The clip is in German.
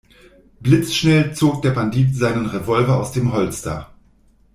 Blitzschnell zog der Bandit seinen Revolver aus dem Holster.